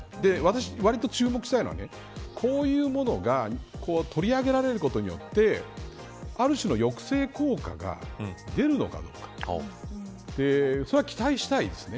私が割と注目したいのはこういうものが取り上げられることによってある種の抑制効果が出るのかどうかそれは期待したいですね。